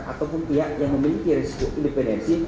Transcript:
ataupun pihak yang memiliki risiko independensi